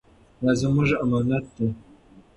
دا زموږ امانت دی.